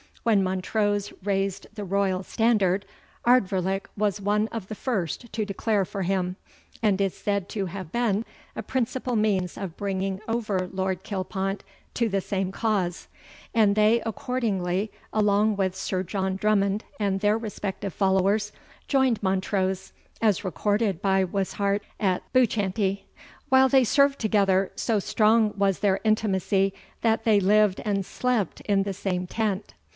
When Montrose raised the royal standard, Ardvoirlich was one of the first to declare for him, and is said to have been a principal means of bringing over Lord Kilpont to the same cause; and they accordingly, along with Sir John Drummond and their respective followers, joined Montrose, as recorded by Wishart, at Buchanty. While they served together, so strong was their intimacy, that they lived and slept in the same tent.